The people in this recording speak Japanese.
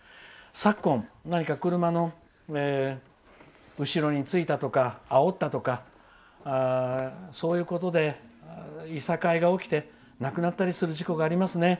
昨今、車の後ろについたとかあおったとか、そういうことでいさかいが起きて亡くなったりする事故がありますね。